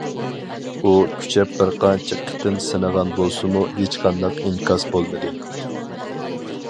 ئۇ كۈچەپ بىرقانچە قېتىم سىنىغان بولسىمۇ ھېچقانداق ئىنكاس بولمىدى.